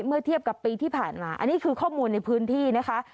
เมื่อเทียบกับปีที่ผ่านมาอันนี้คือข้อมูลในพื้นที่นะคะ